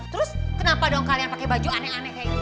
terus kenapa dong kalian pakai baju aneh aneh kayak gitu